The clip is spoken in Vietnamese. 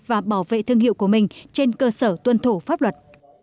và bảo vệ thương hiệu của mình trên cơ sở tuân thủ pháp luật